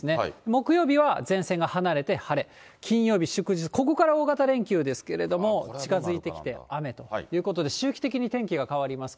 木曜日は前線が離れて晴れ、金曜日祝日、ここから大型連休ですけれども、近づいてきて雨ということで、周期的に天気が変わります。